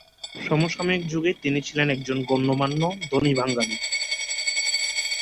সমসাময়িক যুগে তিনি ছিলেন একজন গণ্যমান্য ধনী বাঙালি।